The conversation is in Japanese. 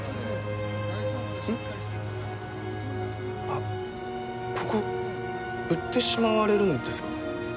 あっここ売ってしまわれるんですか？